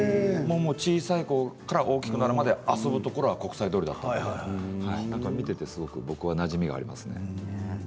小さいころから大きくなるまで遊ぶところは国際通り見ていて僕はすごくなじみがありますね。